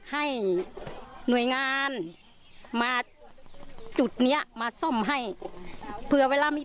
ให้หน่วยงานมาจุดเนี้ยมาซ่อมให้เผื่อเวลามี